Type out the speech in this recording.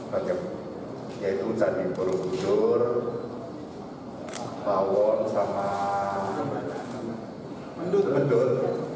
yaitu candi burung budur bawon sama mendut mendut